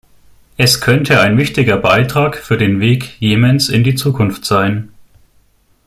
Es könnte ein wichtiger Beitrag für den Weg Jemens in die Zukunft sein.